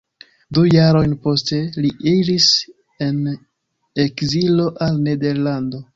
Du jarojn poste li iris en ekzilo al Nederlando.